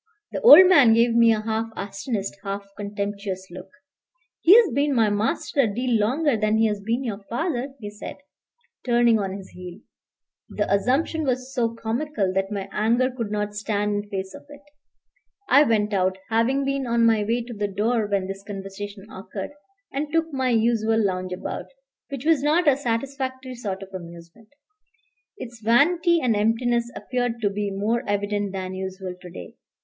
The old man gave me a half astonished, half contemptuous look. "He's been my master a deal longer than he's been your father," he said, turning on his heel. The assumption was so comical that my anger could not stand in face of it. I went out, having been on my way to the door when this conversation occurred, and took my usual lounge about, which was not a satisfactory sort of amusement. Its vanity and emptiness appeared to be more evident than usual to day.